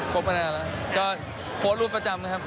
ก็โพสต์รูปประจำนะครับ